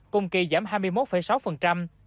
cùng kỳ giảm hai mươi một sáu